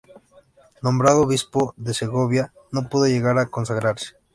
Nombrado obispo de Segovia, no pudo llegar a consagrarse.